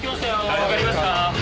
わかりますか？